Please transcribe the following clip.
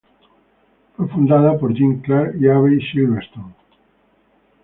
Fue fundada por Jim Clark y Abbey Silverstone.